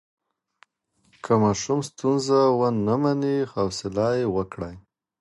که ماشوم ستونزه ونه مني، حوصله یې وکړئ.